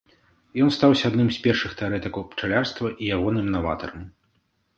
Ён стаўся адным з першых тэарэтыкаў пчалярства і ягоным наватарам.